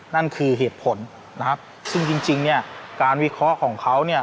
นั่นคือเหตุผลนะครับซึ่งจริงเนี่ยการวิเคราะห์ของเขาเนี่ย